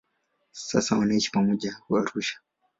Sasa wanaishi pamoja Arusha.